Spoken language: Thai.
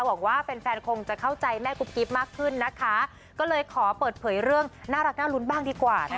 หวังว่าแฟนแฟนคงจะเข้าใจแม่กุ๊บกิ๊บมากขึ้นนะคะก็เลยขอเปิดเผยเรื่องน่ารักน่ารุ้นบ้างดีกว่านะคะ